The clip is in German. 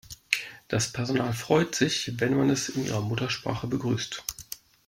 Das Personal freut sich, wenn man es in ihrer Muttersprache begrüßt.